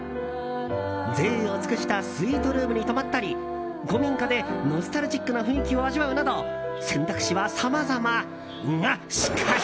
贅を尽くしたスイートルームに泊まったり古民家でノスタルジックな雰囲気を味わうなど選択肢はさまざま！が、しかし。